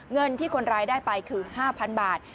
เงินที่คนร้ายได้ไปคือ๕๐๐๐บาท